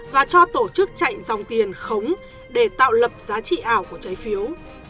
và cho tổ chức chạy dòng tiền khống để tạo lập giá trị ảo của trái phiếu